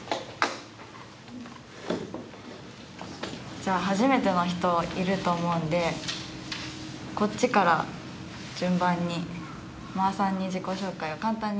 じゃあ初めての人いると思うのでこっちから順番にまーさんに自己紹介を簡単にお願いします。